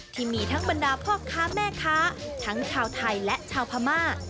ที่มีทั้งบรรดาพ่อค้าแม่ค้าทั้งชาวไทยและชาวพม่า